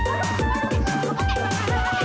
lo ribut ribut aja diri